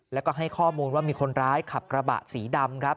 แล้วก็ให้ข้อมูลว่ามีคนร้ายขับกระบะสีดำครับ